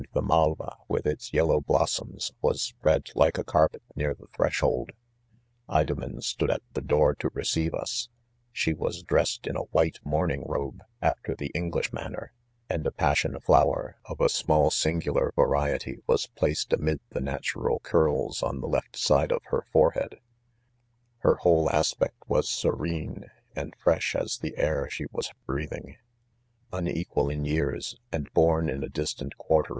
ihemalva with its yellow blossoms, was spread like a carpet near the threshold, jEdomen stood at the door to rec€ive us* — She was dressed in a white morning robe, af ter the English manner, and a passion flower, of a small singular variety, was placed amid the natural curls on the left side of her forehead. Hex whole aspect was serene, and fresh as the air she was breathing. Unequal in years and horn in a distant quarter